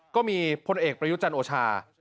ก็มีพลเอกประยุจันทร์โอชา